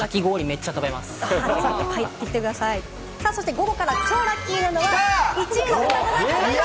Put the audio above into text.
午後から超ラッキーなのは１位、ふたご座です。